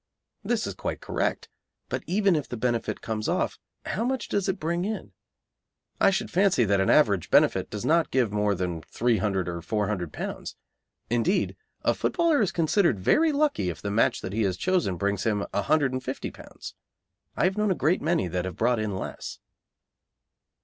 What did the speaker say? This is quite correct, but even if the benefit comes off how much does it bring in? I should fancy that an average benefit does not give more than £300 or £400 indeed, a footballer is considered very lucky if the match that he has chosen brings him £150. I have known a great many that have brought in less.